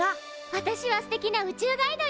わたしは「すてきな宇宙ガイドに」！